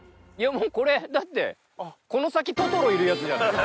もうこれだってこの先トトロいるやつじゃん。